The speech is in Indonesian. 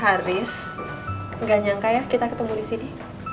haris nggak nyangka ya kita ketemu di sini